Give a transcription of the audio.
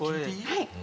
はい。